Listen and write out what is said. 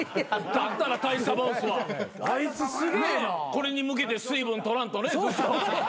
これに向けて水分取らんとね。